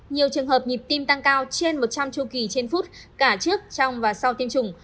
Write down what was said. nhiều trường hợp nhịp tim tăng cao trên một trăm linh chu kỳ trên phút cả trước trong và sau tiêm chủng